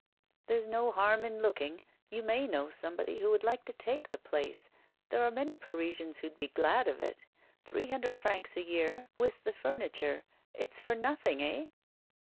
'There's no harm in looking; you may know somebody who would like to take the place. There are many Parisians who'd be glad of it. Three hundred francs a year, with the furniture; it's for nothing, eh?